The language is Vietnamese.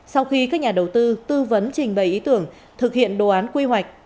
sau khi các nhà đầu tư tư vấn trình bày ý tưởng thực hiện đồ án quy hoạch